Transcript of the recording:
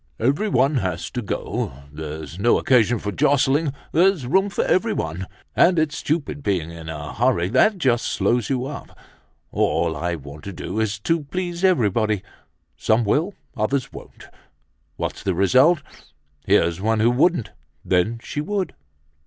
"Everyone has to go. There's no occasion for jostling, there's room for everyone. And it's stupid being in a hurry that just slows you up. All I want to do is to please everybody. Some will, others won't. What's the result? Here's one who wouldn't, then she would.